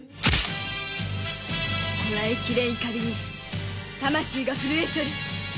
こらえきれん怒りに魂が震えちょる。